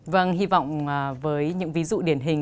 vâng hy vọng với những ví dụ điển hình